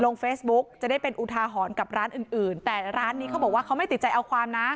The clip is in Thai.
ลงเฟซบุ๊กจะได้เป็นอุทาหรณ์กับร้านอื่นอื่นแต่ร้านนี้เขาบอกว่าเขาไม่ติดใจเอาความนะ